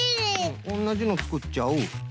おんなじのつくっちゃう。